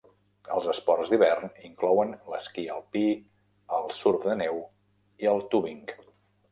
Els esports d'hivern inclouen l'esquí alpí, el surf de neu i el tubing.